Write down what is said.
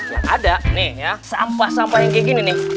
yang ada nih ya sampah sampah yang kayak gini nih